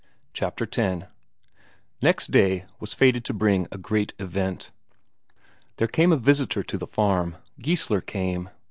Chapter X Next day was fated to bring a great event. There came a visitor to the farm Geissler came.